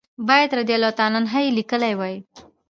باید رضی الله عنهما یې لیکلي وای.